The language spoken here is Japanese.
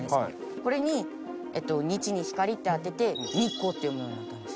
これに「日」に「光」って当てて「日光」って読むようになったんです。